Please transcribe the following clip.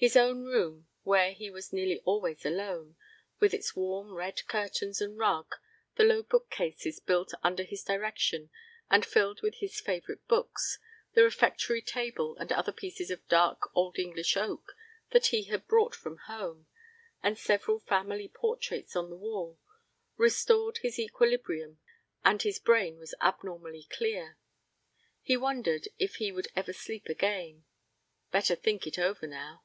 His own room, where he was nearly always alone, with its warm red curtains and rug, the low bookcases built under his direction and filled with his favorite books, the refectory table and other pieces of dark old English oak that he had brought from home, and several family portraits on the wall, restored his equilibrium and his brain was abnormally clear. He wondered if he ever would sleep again. Better think it over now.